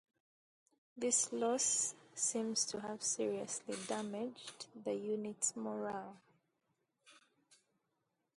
This loss seems to have seriously damaged the unit's morale.